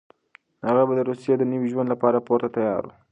هغه په روسيه کې د نوي ژوند لپاره پوره تيار و.